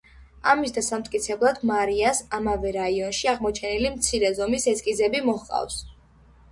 ამის დამამტკიცებლად, მარიას ამავე რაიონში აღმოჩენილი მცირე ზომის ესკიზები მოჰყავს.